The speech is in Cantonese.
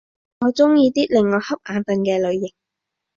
我鍾意啲令我瞌眼瞓嘅類型